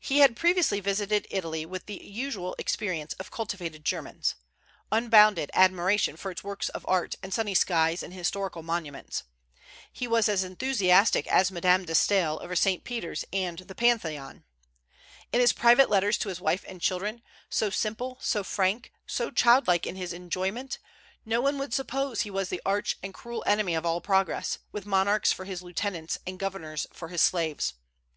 He had previously visited Italy with the usual experience of cultivated Germans, unbounded admiration for its works of art and sunny skies and historical monuments. He was as enthusiastic as Madame de Staël over St. Peter's and the Pantheon. In his private letters to his wife and children, so simple, so frank, so childlike in his enjoyment, no one would suppose he was the arch and cruel enemy of all progress, with monarchs for his lieutenants, and governors for his slaves.